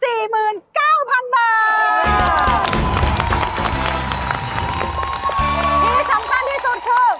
ที่สำคัญที่สุดคือ